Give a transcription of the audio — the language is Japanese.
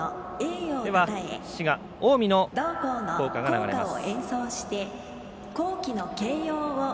では滋賀、近江の校歌が流れます。